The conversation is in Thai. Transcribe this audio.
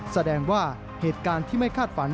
แสดงว่าเหตุการณ์ที่ไม่คาดฝัน